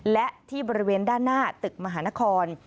และที่บริเวณด้านหน้าตึกมหานคร